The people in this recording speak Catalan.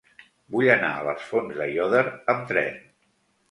Vull anar a les Fonts d'Aiòder amb tren.